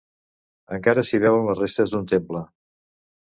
Encara s'hi veuen les restes d'un temple.